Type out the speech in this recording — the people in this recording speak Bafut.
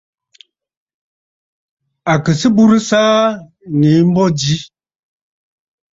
À kɨ sɨ bùrə̀sə̀ aà ŋ̀ŋèə mbô mi.